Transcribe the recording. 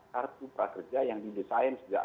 kartu prakerja yang didesain sejak